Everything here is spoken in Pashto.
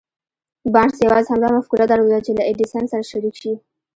بارنس يوازې همدا مفکوره درلوده چې له ايډېسن سره شريک شي.